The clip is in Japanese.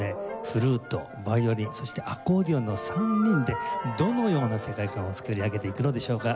フルートヴァイオリンそしてアコーディオンの３人でどのような世界観を作り上げていくのでしょうか？